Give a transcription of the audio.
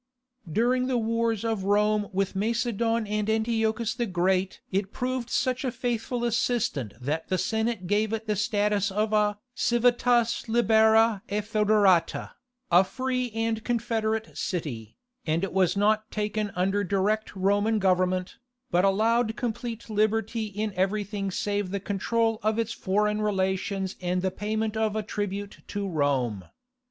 During the wars of Rome with Macedon and Antiochus the Great it proved such a faithful assistant that the Senate gave it the status of a civitas libera et foederata, "a free and confederate city," and it was not taken under direct Roman government, but allowed complete liberty in everything save the control of its foreign relations and the payment of a tribute to Rome.